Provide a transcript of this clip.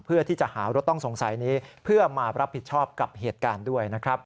เพื่อที่จะหารถต้องสงสัยนี้เพื่อมารับผิดชอบกับเหตุการณ์ด้วยนะครับ